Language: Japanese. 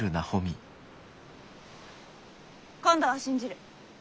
今度は信じる。